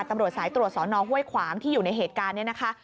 ตำรวจสายตรวจสอนอห้วยขวางที่อยู่ในเหตุการณ์นี้นะคะ